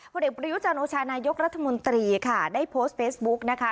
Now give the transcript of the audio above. เด็กประยุจันโอชานายกรัฐมนตรีค่ะได้โพสต์เฟซบุ๊กนะคะ